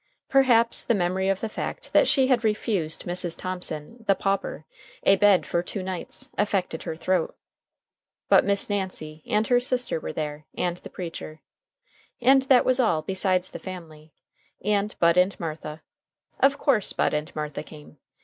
Perhaps the memory of the fact that she had refused Mrs. Thomson, the pauper, a bed for two nights, affected her throat. But Miss Nancy and her sister were there, and the preacher. And that was all, besides the family, and Bud and Martha. Of course Bud and Martha came.